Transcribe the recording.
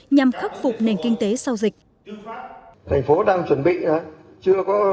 nhằm khắc phục nền kinh tế sau dịch